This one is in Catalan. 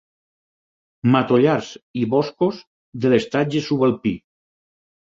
Matollars i boscos de l'estatge subalpí.